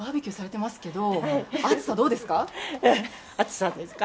今、バーベキューされてますけど、暑さどうですか？